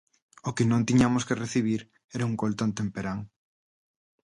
O que non tiñamos que recibir era un gol tan temperán.